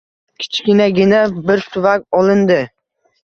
Kichkinagina bir tuvak olindi